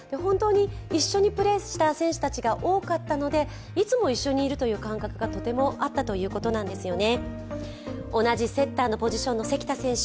一緒にプレーした選手たちが多かったのでいつも一緒にいるという感覚がとてもあったということなんですよね。